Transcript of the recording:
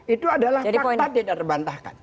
itu adalah fakta tidak terbantahkan